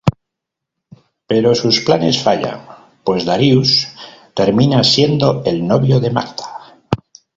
Pero sus planes fallan, pues, Darius termina siendo el novio de Magda.